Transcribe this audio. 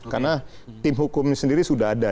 karena tim hukum ini sendiri sudah ada